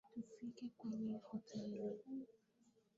Tufike kwenye hoteli